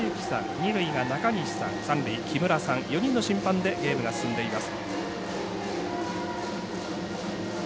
二塁が中西さん、三塁木村さん４人の審判でゲームが進んでいます。